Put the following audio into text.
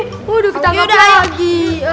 yaudah kita gak pergi lagi